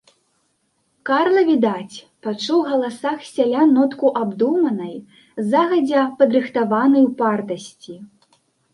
Карла, відаць, пачуў у галасах сялян нотку абдуманай, загадзя падрыхтаванай упартасці.